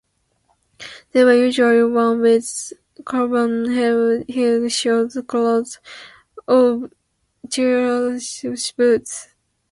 They were usually worn with Cuban-heeled shoes, clogs, or Chelsea boots.